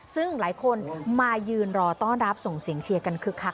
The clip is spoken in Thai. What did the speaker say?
ซึ่งหลายคนมายืนรอต้อนรับส่งเสียงเชียร์กันคึกคัก